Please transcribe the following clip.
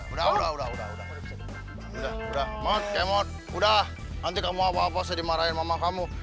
perkiraan om juga seperti itu